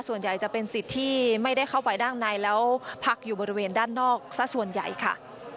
ส่วนใหญ่จะเป็นสิทธิ์ที่ไม่ได้เข้าไปด้านในแล้วพักอยู่บริเวณด้านนอกซะส่วนใหญ่ค่ะ